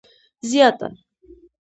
زیاته